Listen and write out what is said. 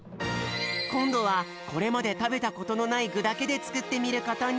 こんどはこれまでたべたことのないぐだけでつくってみることに。